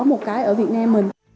một cái ở việt nam mình